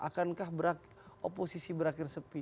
akankah oposisi berakhir sepi